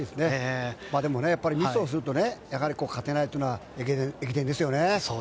でもミスをすると勝てないというのは駅伝ですよね。